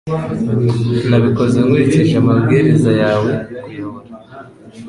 Nabikoze nkurikije amabwiriza yawe (_kuyobora)